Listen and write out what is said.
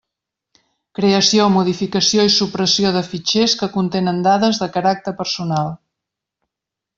Creació, modificació i supressió de fitxers que contenen dades de caràcter personal.